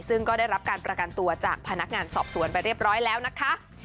ซึ่งก็ได้รับการประกันตัวจากพนักงานสอบสวนไปเรียบร้อยแล้วนะคะ